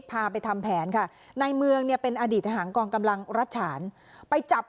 พาไปทำแผนค่ะในเมืองเนี่ยเป็นอดีตทหารกองกำลังรัฐฉานไปจับ